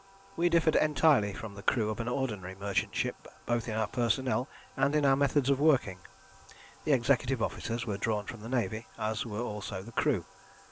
We differed entirely from the crew of an ordinary merchant ship both in our personnel and in our methods of working. The executive officers were drawn from the Navy, as were also the crew.